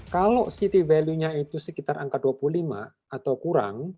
kalau city value nya itu sekitar angka dua puluh lima atau kurang